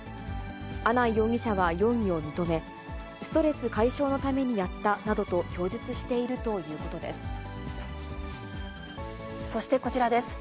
阿南容疑者は容疑を認め、ストレス解消のためにやったなどと供述そしてこちらです。